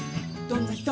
「どんな人？」